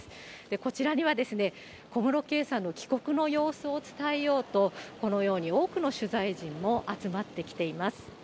こちらには小室圭さんの帰国の様子を伝えようと、このように多くの取材陣も集まってきています。